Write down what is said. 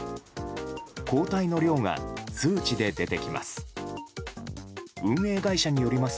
抗体の量が数値で出てきます。